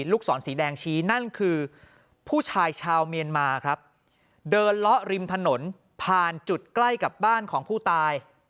ลูกศรสีแดงชี้นั่นคือผู้ชายชาวเมียนมาครับเดินเลาะริมถนนผ่านจุดใกล้กับบ้านของผู้ตาย